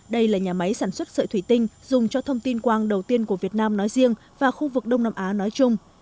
đây là nhà máy sản xuất sợi thủy tinh dùng cho thông tin quang đầu tiên của việt nam nói riêng và khu vực đông nam á nói chung